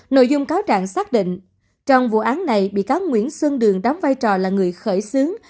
nội dung cáo trạng xác định trong vụ án này bị cáo nguyễn xuân đường đóng vai trò là người khởi xướng